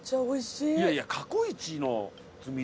いやいや。